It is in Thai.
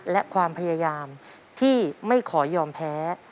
และความพยายามที่ไม่ขอยอมแพ้